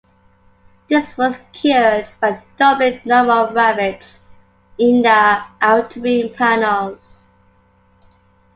This was cured by doubling the number of rivets in the outer wing panels.